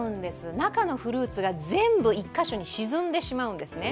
中のフルーツが全部１カ所に沈んでしまうんですね。